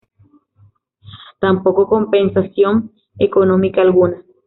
Tampoco compensación económica alguna.